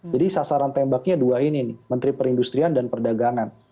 jadi sasaran tembaknya dua ini nih menteri perindustrian dan perdagangan